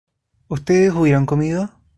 ustedes hubieron comido